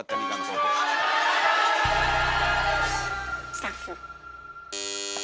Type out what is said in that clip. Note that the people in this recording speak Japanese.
スタッフ。